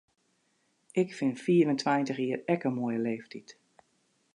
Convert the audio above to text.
Ik fyn fiif en tweintich jier ek in moaie leeftyd.